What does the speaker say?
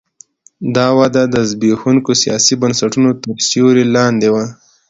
دا وده د زبېښونکو سیاسي بنسټونو تر سیوري لاندې وه.